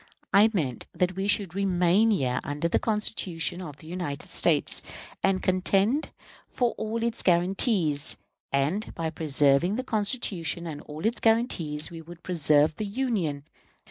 I meant that we should remain here under the Constitution of the United States and contend for all its guarantees; and by preserving the Constitution and all its guarantees we would preserve the Union.